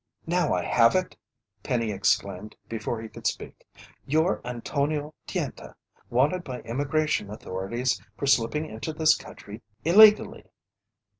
"Now I have it!" Penny exclaimed before he could speak. "You're Antonio Tienta, wanted by Immigration authorities for slipping into this country illegally!"